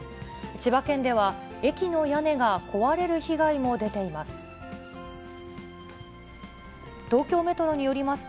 千葉県では、駅の屋根が壊れる被害も出ています。